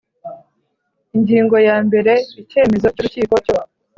Ingingo ya mbere Icyemezo cy urukiko cyo